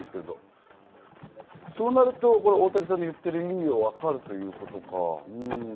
そうなると大竹さんの言ってる意味もわかるということか。